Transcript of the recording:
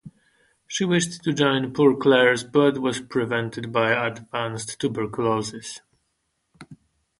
She wished to join the Poor Clares but was prevented by advanced tuberculosis.